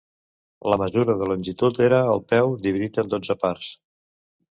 La mesura de longitud era el peu dividit en dotze parts.